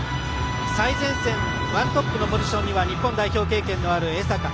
最前線ワントップのポジションに日本代表経験のある江坂。